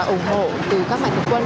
ủng hộ từ các mạnh thịnh quân